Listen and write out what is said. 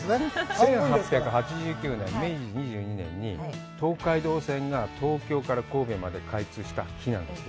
１８８９年明治２２年に東海道線が東京から神戸まで開通した日なんだって。